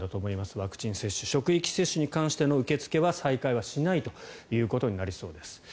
ワクチン接種職域接種に関しての受け付けは再開はしないことになりそうです。